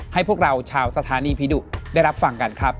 ให้พวกเราชาวสถานีผีดุได้รับฟังกันครับ